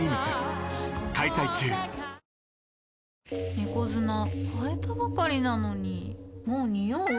猫砂替えたばかりなのにもうニオう？